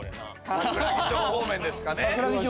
桜木町方面ですかね。